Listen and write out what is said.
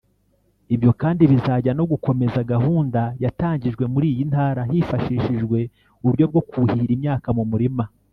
Ibyo kandi bizajya no gukomeza gahunda yatangijwe muri iyo ntara hifashishijwe uburyo bwo kuhira imyaka mu murima